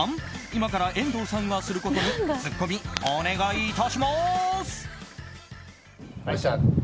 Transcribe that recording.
今から遠藤さんがすることにツッコミお願い致します！